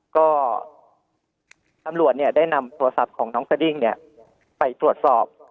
ก็ตำรวจได้นำโทรศัพท์ของน้องสดิ้งไปตรวจสอบ